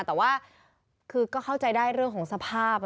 แต่ว่าคือก็เข้าใจได้เรื่องของสภาพ